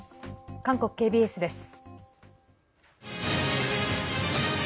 韓国ＫＢＳです。